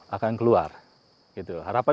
akan keluar harapan